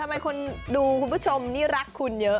ทำไมคนดูคุณผู้ชมนี่รักคุณเยอะ